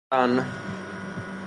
طعن